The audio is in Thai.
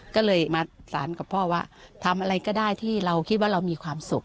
ก็เลยมาสารกับพ่อว่าทำอะไรก็ได้ที่เราคิดว่าเรามีความสุข